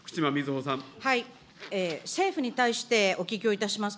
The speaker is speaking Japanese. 政府に対してお聞きをいたします。